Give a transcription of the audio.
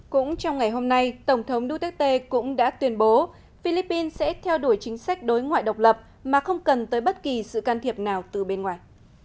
cũng trong ngày hôm nay tổng thống duterte cũng đã tuyên bố philippines sẽ theo đuổi chính sách đối ngoại độc lập mà không cần tới bất kỳ sự can thiệp nào từ bên ngoài